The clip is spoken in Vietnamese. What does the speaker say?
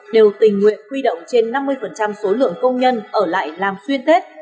đều tình nguyện huy động trên năm mươi số lượng công nhân ở lại làm xuyên tết